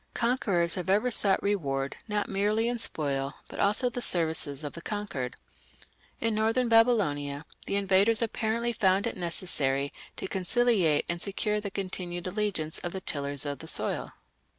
Conquerors have ever sought reward not merely in spoil, but also the services of the conquered. In northern Babylonia the invaders apparently found it necessary to conciliate and secure the continued allegiance of the tillers of the soil.